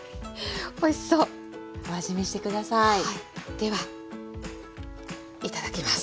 ではいただきます。